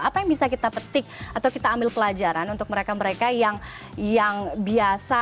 apa yang bisa kita petik atau kita ambil pelajaran untuk mereka mereka yang biasa